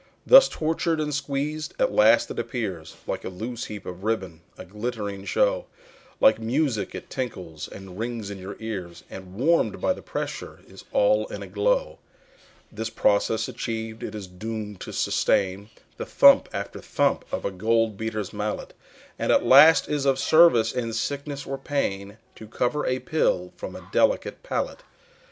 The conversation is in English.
Thus tortured and squeezed, at last it appears Like a loose heap of ribbon, a glittering show, Like music it tinkles and rings in your ears, And warm'd by the pressure is all in a glow. This process achiev'd, it is doom'd to sustain The thump after thump of a gold beater's mallet, And at last is of service in sickness or pain To cover a pill from a delicate palate.